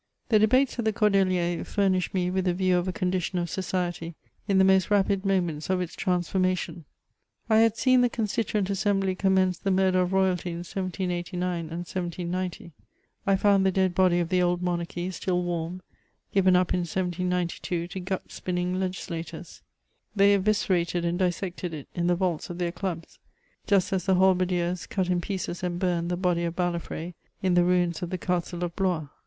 The debates at the Cordeliers fiimished me with ^e view of a condition ci society in the most rapid mom^ats of its trans formation. I had seen the Constituent Assembly commence the murder of royalty in 1789 and 1790; I found the dead body of the old monarchy, still warm, given up in 1792 to gut binning l^islators ; they eviscerated and dissected it in the vaults of their clubs, just as the halberdiers cut in pieces and burned the body of Bala&e in the ruins of the castle of Blms.